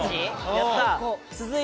やったー。